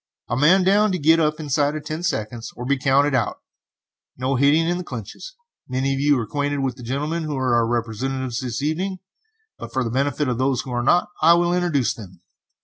A man down to get up inside of ten seconds or be counted out. No hitting in the clinches. Many of you are acquainted with the gentlemen who are our representatives this evening, but for the benefit of those who are not I will introduce them."